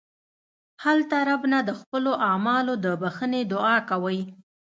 هلته رب نه د خپلو اعمالو د بښنې دعا کوئ.